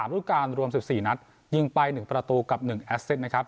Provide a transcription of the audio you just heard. รูปการณ์รวม๑๔นัดยิงไป๑ประตูกับ๑แอสเต้นนะครับ